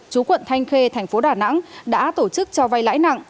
chú quận thanh khê thành phố đà nẵng đã tổ chức cho vay lãi nặng